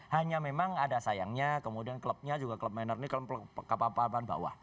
hanya memang ada sayangnya kemudian klubnya juga klub menerni klub kapal papan bawah